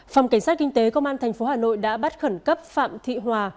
phòng cảnh sát kinh tế công an tp hà nội đã bắt khẩn cấp phạm thị hòa